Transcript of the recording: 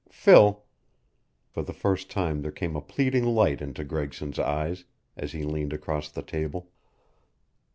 Phil " For the first time there came a pleading light into Gregson's eyes as he leaned across the table.